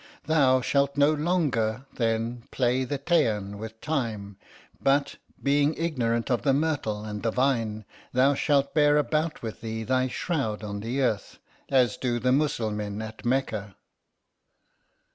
Thou shalt no longer, then, play the Teian with time, but, being ignorant of the myrtle and the vine, thou shalt bear about with thee thy shroud on the earth, as do the Moslemin at Mecca."